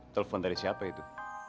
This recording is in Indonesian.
telepon dari siapa itu